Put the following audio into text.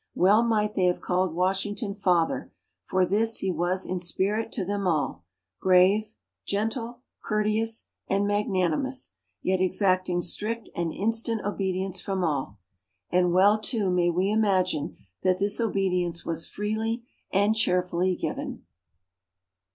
Well might they have called Washington father, for this he was in spirit to them all grave, gentle, courteous and magnanimous, yet exacting strict and instant obedience from all; and well, too, may we imagine that this obedience was freely and cheerfully given.